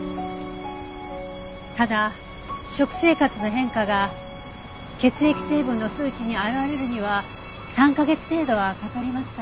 ただ食生活の変化が血液成分の数値に表れるには３カ月程度はかかりますから。